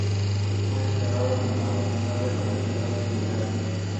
Fue enterrado en la nave central de la catedral de Mallorca.